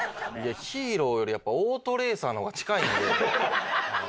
ヒーローよりやっぱオートレーサーの方が近いんで。